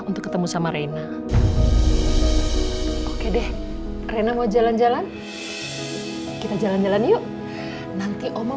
untuk ketemu sama reina oke deh rena mau jalan jalan kita jalan jalan yuk nanti oma